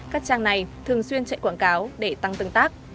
các trang này thường xuyên chạy quảng cáo để tăng tương tác